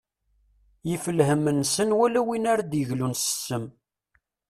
Yif lhem nessen wala win ara d-yeglun s ssem.